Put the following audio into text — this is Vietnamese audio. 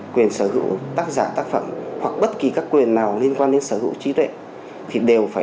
quyền sở hữu tác giả tác phẩm hoặc bất kỳ các quyền nào liên quan đến sở hữu trí tuệ thì đều phải